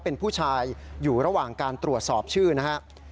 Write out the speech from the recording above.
เป็นผู้ชายอยู่ระหว่างการตรวจสอบชื่อนะครับ